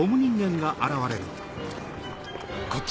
こっち。